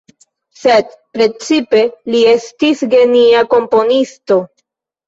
Sed precipe li estis genia komponisto.